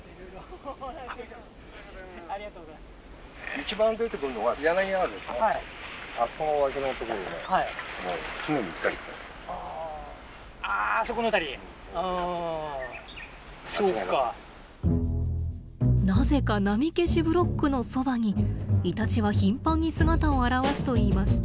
一番出てくるのがなぜか波消しブロックのそばにイタチは頻繁に姿を現すといいます。